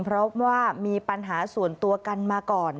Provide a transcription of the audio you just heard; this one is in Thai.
เพราะว่ามีปัญหาส่วนตัวกันมาก่อน